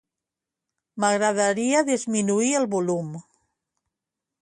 M'agradaria disminuir el volum.